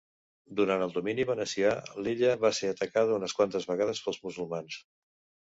Durant el domini venecià l'illa va ser atacada unes quantes vegades pels musulmans.